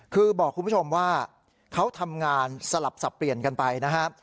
คือบอกคุณผู้ชมว่าเขาทำงานสลับสับเปลี่ยนกันไปนะฮะ